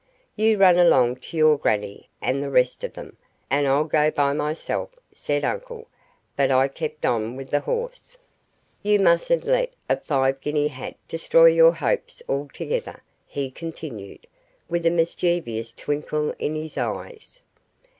"You run along to your grannie and the rest of them, and I'll go by myself," said uncle, but I kept on with the horse. "You mustn't let a five guinea hat destroy your hopes altogether," he continued, with a mischievous twinkle in his eyes.